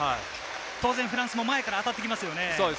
当然フランスも前から当たってきますよね。